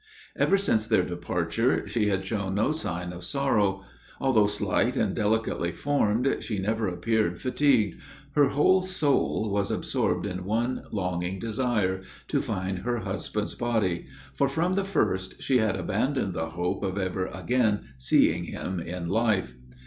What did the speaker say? Ever since their departure, she had shown no sign of sorrow. Although slight and delicately formed, she never appeared fatigued: her whole soul was absorbed in one longing desire to find her husband's body; for, from the first, she had abandoned the hope of ever again seeing him in life.